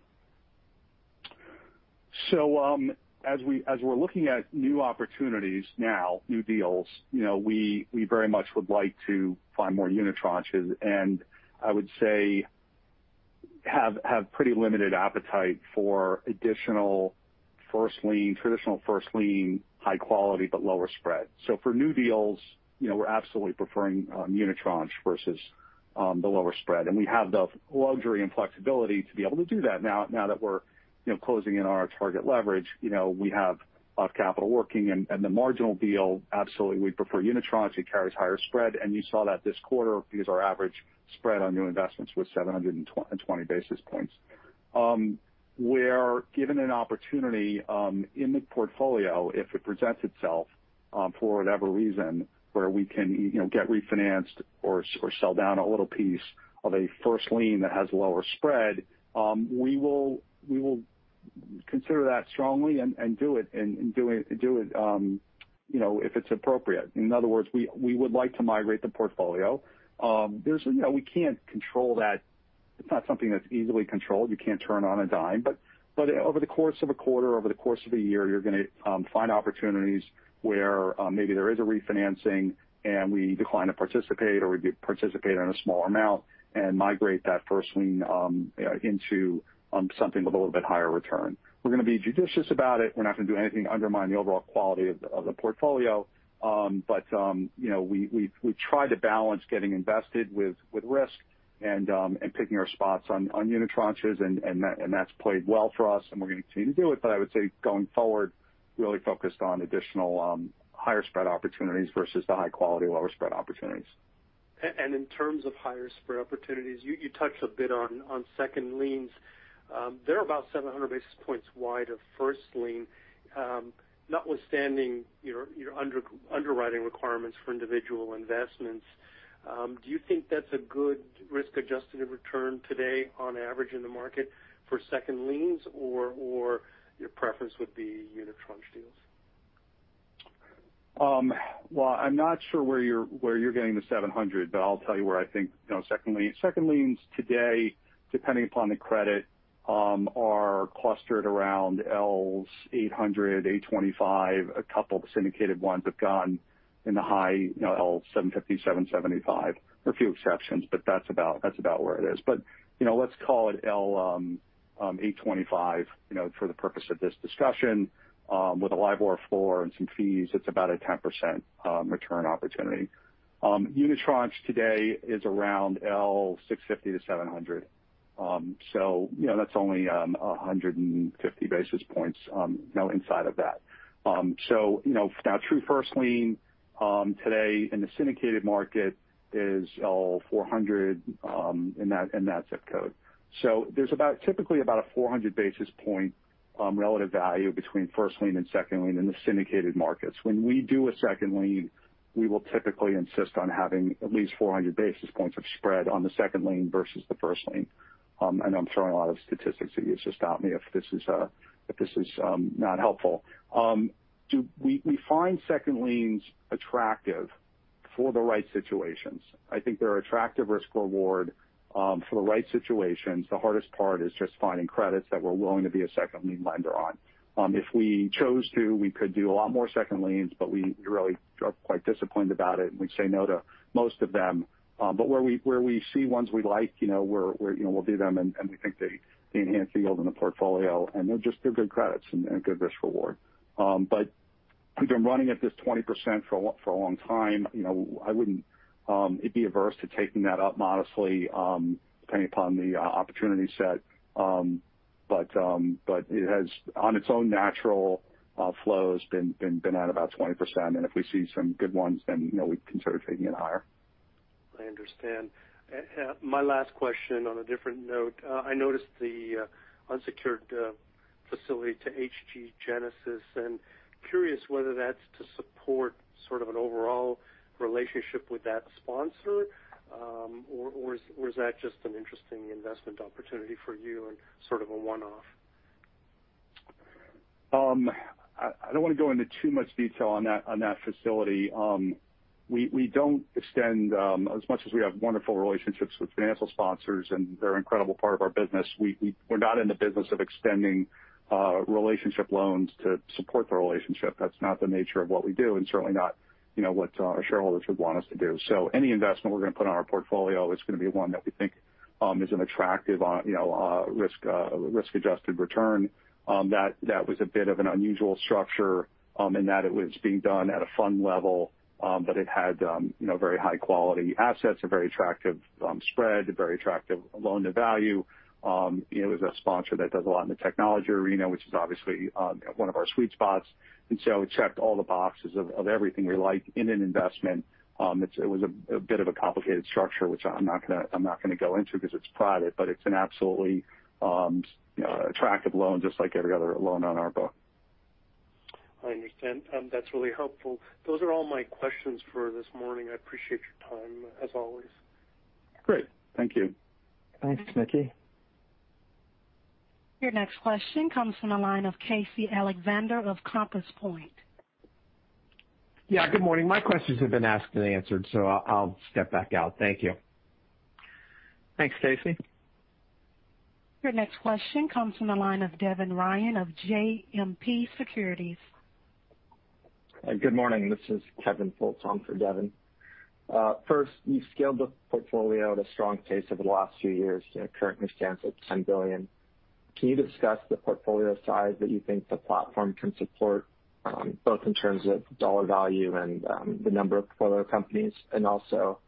So, as we're looking at new opportunities now, new deals, you know, we very much would like to find more unitranches, and I would say have pretty limited appetite for additional first lien, traditional first lien, high quality, but lower spread. So for new deals, you know, we're absolutely preferring unitranche versus the lower spread. And we have the luxury and flexibility to be able to do that now, now that we're, you know, closing in on our target leverage, you know, we have capital working. And the marginal deal, absolutely, we'd prefer unitranche. It carries higher spread, and you saw that this quarter because our average spread on new investments was 720 basis points. We're given an opportunity, in the portfolio, if it presents itself, for whatever reason, where we can, you know, get refinanced or, or sell down a little piece of a first lien that has a lower spread, we will, we will consider that strongly and, and do it, and, and do it, do it, you know, if it's appropriate. In other words, we, we would like to migrate the portfolio. There's, you know, we can't control that. It's not something that's easily controlled. You can't turn on a dime. But, but over the course of a quarter, over the course of a year, you're gonna, find opportunities where, maybe there is a refinancing, and we decline to participate, or we participate in a small amount and migrate that first lien, into, something with a little bit higher return. We're gonna be judicious about it. We're not gonna do anything to undermine the overall quality of the portfolio. But you know, we try to balance getting invested with risk and picking our spots on unitranches, and that's played well for us, and we're gonna continue to do it. But I would say, going forward, really focused on additional higher spread opportunities versus the high quality, lower spread opportunities. And in terms of higher spread opportunities, you touched a bit on second liens. They're about 700 basis points wide of first lien. Notwithstanding your underwriting requirements for individual investments, do you think that's a good risk-adjusted return today on average in the market for second liens, or your preference would be unitranche deals? Well, I'm not sure where you're getting the 700 basis points, but I'll tell you where I think, you know, second lien. Second liens today, depending upon the credit, are clustered around L + 800, L + 825. A couple of syndicated ones have gone in the high, you know, L + 750, L + 775. There are a few exceptions, but that's about where it is. But, you know, let's call it L + 825, you know, for the purpose of this discussion. With a LIBOR of four and some fees, it's about a 10% return opportunity. Unitranche today is around L + 650-L + 700. So, you know, that's only 150 basis points, you know, inside of that. So, you know, now, true first lien, today in the syndicated market is L + 400, in that, in that zip code. So there's about—typically about a 400 basis point, relative value between first lien and second lien in the syndicated markets. When we do a second lien, we will typically insist on having at least 400 basis points of spread on the second lien versus the first lien. And I'm throwing a lot of statistics at you, just stop me if this is, if this is, not helpful. We, we find second liens attractive for the right situations. I think they're attractive risk reward, for the right situations. The hardest part is just finding credits that we're willing to be a second lien lender on. If we chose to, we could do a lot more second liens, but we really are quite disciplined about it, and we say no to most of them. But where we see ones we like, you know, we're you know, we'll do them, and we think they enhance the yield in the portfolio, and they're just good credits and good risk reward. But we've been running at this 20% for a long time. You know, I wouldn't be averse to taking that up modestly, depending upon the opportunity set. But it has, on its own natural flow, has been at about 20%, and if we see some good ones, then, you know, we'd consider taking it higher. I understand. My last question on a different note. I noticed the unsecured facility to Hg Genesis, and curious whether that's to support sort of an overall relationship with that sponsor, or is that just an interesting investment opportunity for you and sort of a one-off? I don't wanna go into too much detail on that, on that facility. We don't extend. As much as we have wonderful relationships with financial sponsors, and they're an incredible part of our business, we're not in the business of extending relationship loans to support the relationship. That's not the nature of what we do and certainly not, you know, what our shareholders would want us to do. So any investment we're gonna put on our portfolio is gonna be one that we think is an attractive, you know, risk-adjusted return. That was a bit of an unusual structure in that it was being done at a fund level, but it had, you know, very high-quality assets, a very attractive spread, a very attractive loan-to-value. It was a sponsor that does a lot in the technology arena, which is obviously one of our sweet spots. And so it checked all the boxes of everything we like in an investment. It was a bit of a complicated structure, which I'm not gonna go into because it's private, but it's an absolutely attractive loan, just like every other loan on our book. I understand. That's really helpful. Those are all my questions for this morning. I appreciate your time, as always. Great. Thank you. Thanks, Mickey. Your next question comes from the line of Casey Alexander of Compass Point. Yeah, good morning. My questions have been asked and answered, so I'll, I'll step back out. Thank you. Thanks, Casey. Your next question comes from the line of Devin Ryan of JMP Securities. Good morning. This is Kevin Ffoulkes for Devin. First, you've scaled the portfolio at a strong pace over the last few years, you know, currently stands at $10 billion. Can you discuss the portfolio size that you think the platform can support, both in terms of dollar value and, the number of portfolio companies? And also,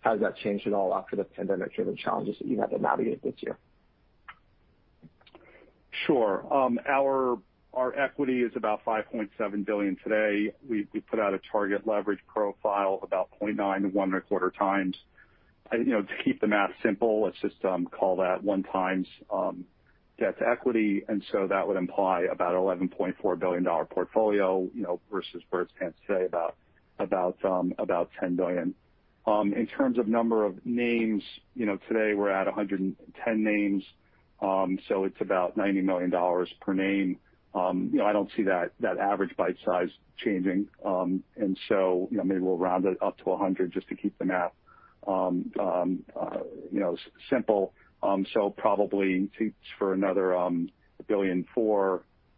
how has that changed at all after the pandemic-driven challenges that you had to navigate this year? Sure. Our equity is about $5.7 billion today. We put out a target leverage profile about 0.9x-1.25x. You know, to keep the math simple, let's just call that 1 times debt to equity, and so that would imply about $11.4 billion portfolio, you know, versus where it stands today, about $10 billion. In terms of number of names, you know, today we're at 110 names, so it's about $90 million per name. You know, I don't see that average bite size changing. And so, you know, maybe we'll round it up to 100 just to keep the math simple. So probably for another $1.4 billion,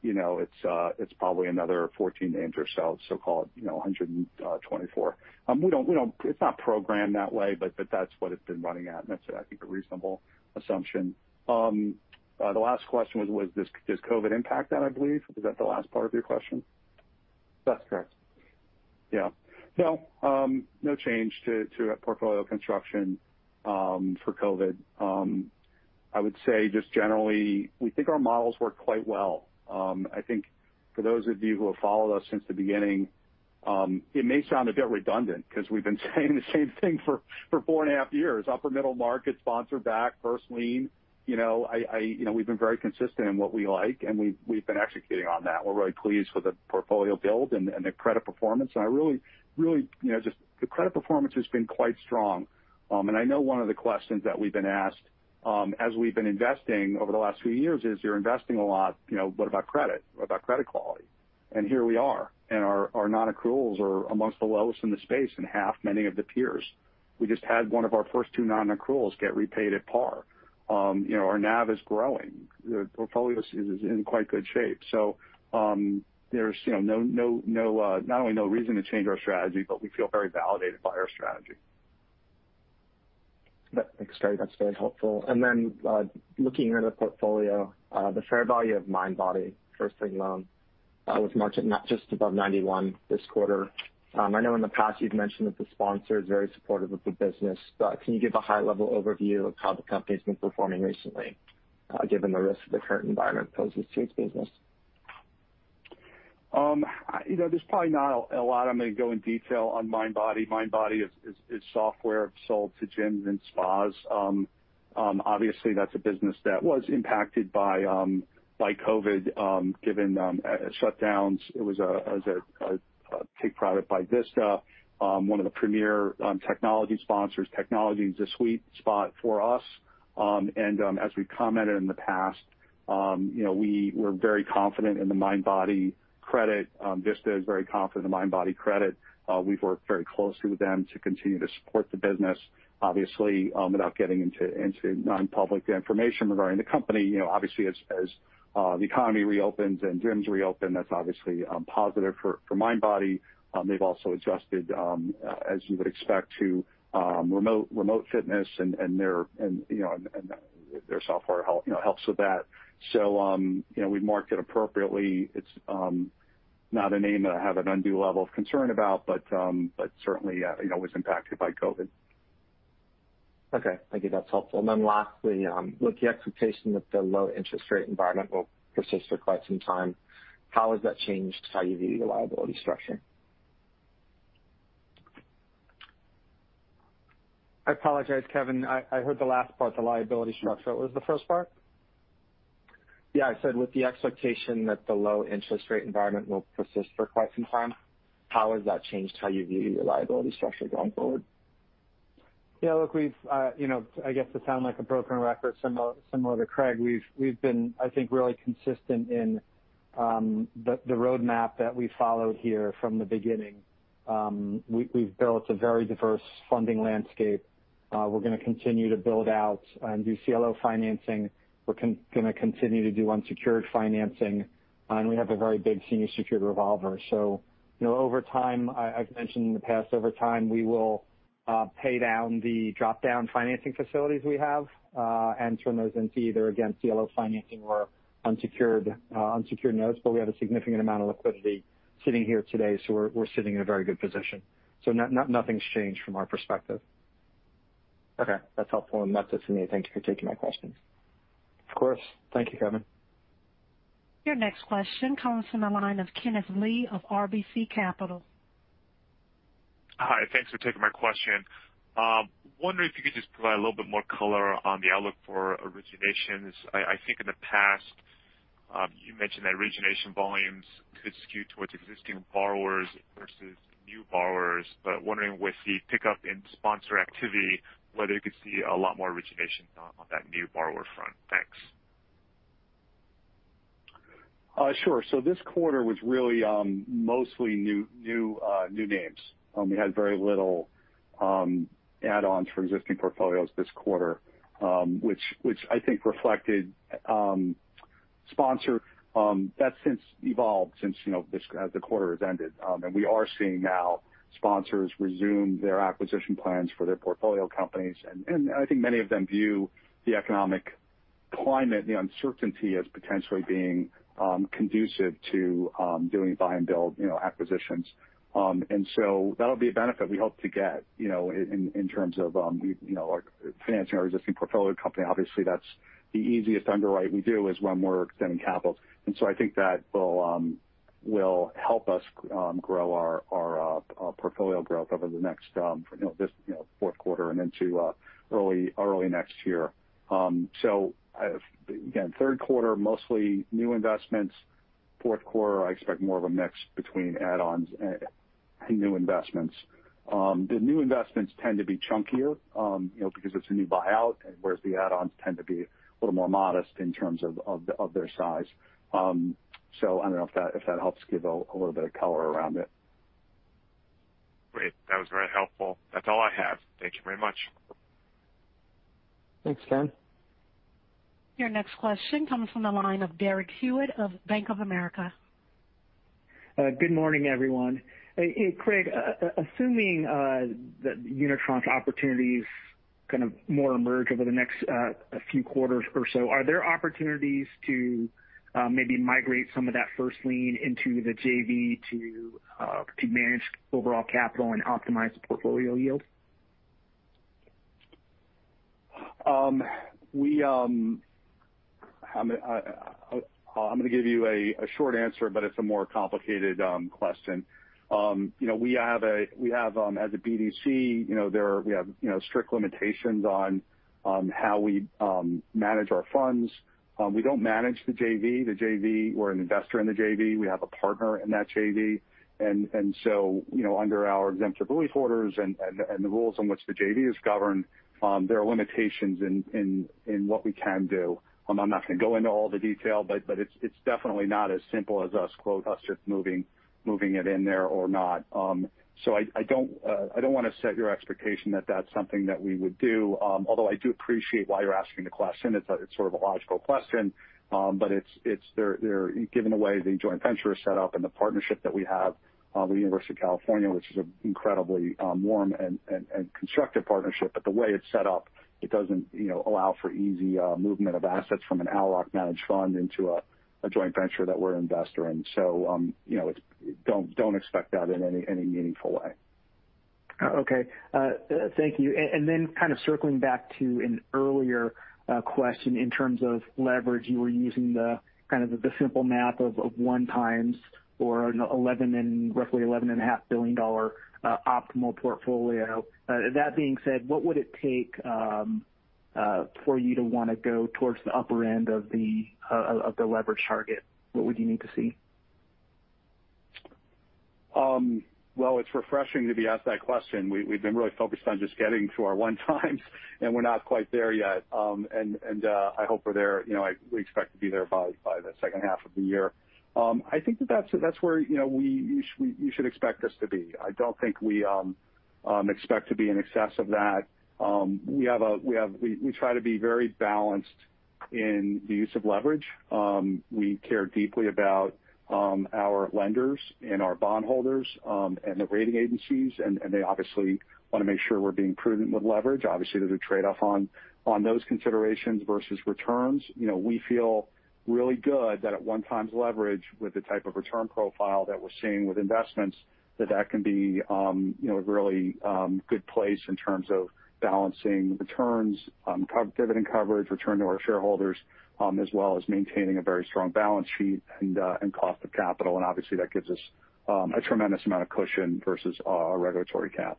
you know, it's, it's probably another 14 names or so, so call it, you know, 124. We don't, we don't—it's not programmed that way, but, but that's what it's been running at, and that's, I think, a reasonable assumption. The last question was, was, does, does COVID impact that, I believe? Is that the last part of your question? That's correct. Yeah. No, no change to our portfolio construction, for COVID. I would say just generally, we think our models work quite well. I think for those of you who have followed us since the beginning, it may sound a bit redundant because we've been saying the same thing for 4.5 years, upper middle market, sponsor-backed, first lien. You know, I... You know, we've been very consistent in what we like, and we've been executing on that. We're really pleased with the portfolio build and the credit performance, and I really, really, you know, just the credit performance has been quite strong. And I know one of the questions that we've been asked, as we've been investing over the last few years is, "You're investing a lot, you know, what about credit? What about credit quality?" And here we are, and our non-accruals are among the lowest in the space and half that of many of the peers. We just had one of our first two non-accruals get repaid at par. You know, our NAV is growing. The portfolio is in quite good shape. So, there's, you know, no, no, no, not only no reason to change our strategy, but we feel very validated by our strategy. Thanks, Craig. That's very helpful. And then, looking at the portfolio, the fair value of Mindbody first lien loan was marked at not just above 91 this quarter. I know in the past, you've mentioned that the sponsor is very supportive of the business, but can you give a high-level overview of how the company's been performing recently, given the risk the current environment poses to its business? You know, there's probably not a lot I'm gonna go in detail on Mindbody. Mindbody is software sold to gyms and spas. Obviously, that's a business that was impacted by COVID given shutdowns. It was a take-private by Vista, one of the premier technology sponsors. Technology is a sweet spot for us. And as we've commented in the past, you know, we were very confident in the Mindbody credit. Vista is very confident in the Mindbody credit. We've worked very closely with them to continue to support the business. Obviously, without getting into non-public information regarding the company, you know, obviously, as the economy reopens and gyms reopen, that's obviously positive for Mindbody. They've also adjusted, as you would expect to, remote fitness and their software helps with that. So, you know, we've marked it appropriately. It's not a name that I have an undue level of concern about, but certainly, you know, was impacted by COVID. Okay. Thank you. That's helpful. And then lastly, with the expectation that the low interest rate environment will persist for quite some time, how has that changed how you view your liability structure? I apologize, Kevin. I heard the last part, the liability structure. What was the first part? Yeah, I said, with the expectation that the low interest rate environment will persist for quite some time, how has that changed how you view your liability structure going forward? Yeah, look, we've, you know, I guess to sound like a broken record, similar to Craig, we've been, I think, really consistent in, the roadmap that we followed here from the beginning. We've built a very diverse funding landscape. We're gonna continue to build out and do CLO financing. We're gonna continue to do unsecured financing, and we have a very big senior secured revolver. So, you know, over time, I've mentioned in the past, over time, we will pay down the drop-down financing facilities we have, and turn those into either, again, CLO financing or unsecured notes. But we have a significant amount of liquidity sitting here today, so we're sitting in a very good position. So nothing's changed from our perspective. Okay, that's helpful, and that's it for me. Thank you for taking my questions. Of course. Thank you, Kevin. Your next question comes from the line of Kenneth Lee of RBC Capital. Hi, thanks for taking my question. Wondering if you could just provide a little bit more color on the outlook for originations. I, I think in the past, you mentioned that origination volumes could skew towards existing borrowers versus new borrowers. But wondering with the pickup in sponsor activity, whether you could see a lot more origination on, on that new borrower front. Thanks. Sure. So this quarter was really mostly new, new, new names. We had very little add-ons for existing portfolios this quarter, which, which I think reflected sponsor, that's since evolved since, you know, this—as the quarter has ended. And we are seeing now sponsors resume their acquisition plans for their portfolio companies. And I think many of them view the economic climate, the uncertainty, as potentially being conducive to doing buy and build, you know, acquisitions. And so that'll be a benefit we hope to get, you know, in, in, in terms of we, you know, like financing our existing portfolio company. Obviously, that's the easiest underwrite we do, is when we're extending capital. And so I think that will help us grow our portfolio growth over the next you know this you know fourth quarter and into early next year. So as again, third quarter, mostly new investments. Fourth quarter, I expect more of a mix between add-ons and new investments. The new investments tend to be chunkier you know because it's a new buyout, and whereas the add-ons tend to be a little more modest in terms of their size. So I don't know if that helps give a little bit of color around it. Great. That was very helpful. That's all I have. Thank you very much. Thanks, Ken. Your next question comes from the line of Derek Hewett of Bank of America. Good morning, everyone. Hey, hey, Craig, assuming that unitranche's opportunities kind of more emerge over the next few quarters or so, are there opportunities to maybe migrate some of that first lien into the JV to to manage overall capital and optimize the portfolio yield? We, I'm gonna give you a short answer, but it's a more complicated question. You know, we have—we have, as a BDC, you know, there are... We have, you know, strict limitations on how we manage our funds. We don't manage the JV. The JV, we're an investor in the JV. We have a partner in that JV. And so, you know, under our exemptive relief orders and the rules in which the JV is governed, there are limitations in what we can do. I'm not gonna go into all the detail, but it's definitely not as simple as us, quote unquote, "moving it in there or not." So I don't wanna set your expectation that that's something that we would do. Although I do appreciate why you're asking the question. It's sort of a logical question. But it's, they're given the way the joint venture is set up and the partnership that we have with the University of California, which is an incredibly warm and constructive partnership. But the way it's set up, it doesn't, you know, allow for easy movement of assets from an Owl Rock managed fund into a joint venture that we're an investor in. So, you know, it's... Don't expect that in any meaningful way. Okay. Thank you. And then kind of circling back to an earlier question. In terms of leverage, you were using the kind of the simple math of 1x or an $11 billion and roughly $11.5 billion optimal portfolio. That being said, what would it take for you to wanna go towards the upper end of the of the leverage target? What would you need to see? Well, it's refreshing to be asked that question. We've been really focused on just getting to our 1 times, and we're not quite there yet. And, I hope we're there... You know, we expect to be there by the second half of the year. I think that's where, you know, you should expect us to be. I don't think we expect to be in excess of that. We have, we try to be very balanced in the use of leverage. We care deeply about our lenders and our bondholders, and the rating agencies, and they obviously wanna make sure we're being prudent with leverage. Obviously, there's a trade-off on those considerations versus returns. You know, we feel really good that at 1x leverage, with the type of return profile that we're seeing with investments, that that can be, you know, a really good place in terms of balancing returns, dividend coverage, return to our shareholders, as well as maintaining a very strong balance sheet and cost of capital. And obviously, that gives us a tremendous amount of cushion versus our regulatory cap.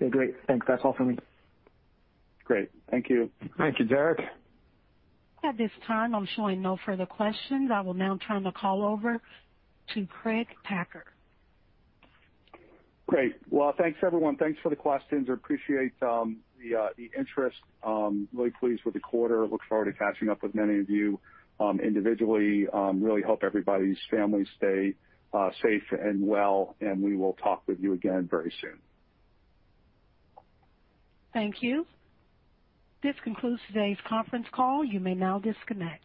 Okay, great. Thanks. That's all for me. Great. Thank you. Thank you, Derek. At this time, I'm showing no further questions. I will now turn the call over to Craig Packer. Great. Well, thanks, everyone. Thanks for the questions. I appreciate the interest. Really pleased with the quarter. Look forward to catching up with many of you, individually. Really hope everybody's families stay safe and well, and we will talk with you again very soon. Thank you. This concludes today's conference call. You may now disconnect.